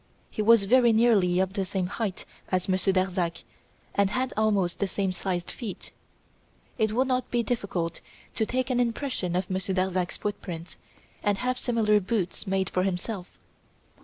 He was very nearly of the same height as Monsieur Darzac and had almost the same sized feet. It would not be difficult, to take an impression of Monsieur Darzac's footprints, and have similar boots made for himself.